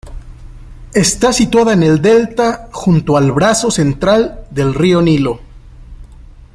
Está situada en el delta, junto al brazo central del río Nilo.